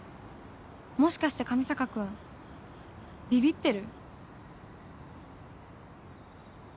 もしかして上坂君びびってる？